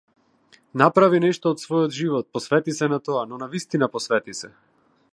Направи нешто од својот живот, посвети се на тоа, но навистина посвети се.